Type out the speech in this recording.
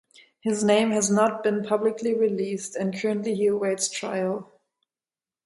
His name has not been publicly released and he currently awaits trial.